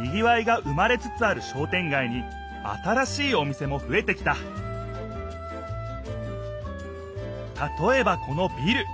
にぎわいが生まれつつある商店街に新しいお店もふえてきたたとえばこのビル。